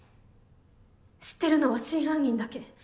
知ってるのは真犯人だけ。